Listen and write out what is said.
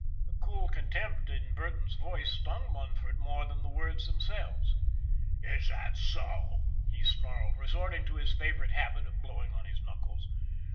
" The cool contempt in Burton's voice stung Mun ford more than the words themselves. " Is that so !" he snarled, resorting to his favorite habit of blowing on his knuckles.